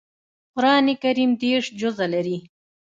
قران کریم دېرش جزء لري